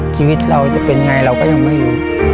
ชีวิตเราจะเป็นไงเราก็ยังไม่รู้